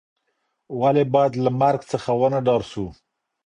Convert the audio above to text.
ولي باید له مرګ څخه ونه ډار سو؟